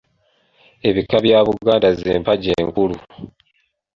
Ebika bya Buganda z’empagi enkulu.